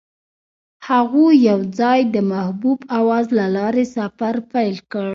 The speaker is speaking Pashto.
هغوی یوځای د محبوب اواز له لارې سفر پیل کړ.